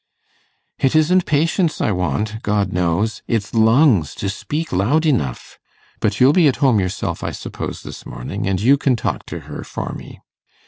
'It isn't patience I want, God knows; it's lungs to speak loud enough. But you'll be at home yourself, I suppose, this morning; and you can talk to her for me.